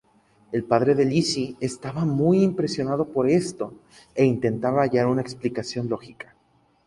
El padre de Lizzy estaba muy impresionado por esto e intentaba hallar explicación lógica.